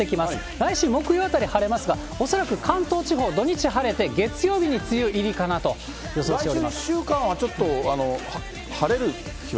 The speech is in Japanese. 来週木曜あたり晴れますが、恐らく関東地方、土日晴れて、月曜日に梅雨入りかなと予想しております。